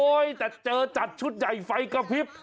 แต่เจอจัดชุดใหญ่ไฟกระพริบ